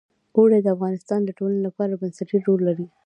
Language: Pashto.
اوړي د افغانستان د ټولنې لپاره بنسټيز رول لري.